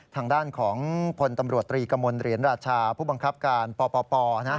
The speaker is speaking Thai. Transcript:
ทางด้านของพลตำรวจตรีกระมวลเหรียญราชาผู้บังคับการปป